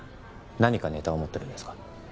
何かネタを持ってるんですか？